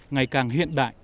ngày càng hiện đại